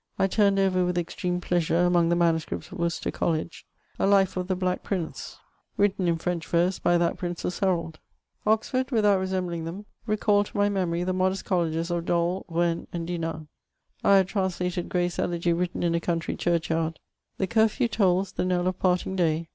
I turned oyer with extreme jdeasure^ among tiie manuscryts of Worcester College, a life of tiie Black Prince, written in French verse by that Prince's herald. Oxferd, without resembtiii^ tiiem, recalled to my m^nory the modest colleges of Dol, Bennes, and Dinao. I had trans lated Gray's El»^ written in a CoufUry Ckterdkyard: The ciufew tdls the knell of parting day.